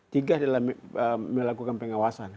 tiga adalah melakukan pengawasan